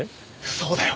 そうだよ。